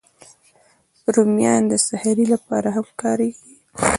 رومیان د سحري لپاره هم کارېږي